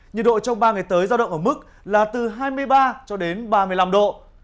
nhiệt độ trong ba ngày tới giao động ở mức là từ hai mươi ba cho đến ba mươi năm độ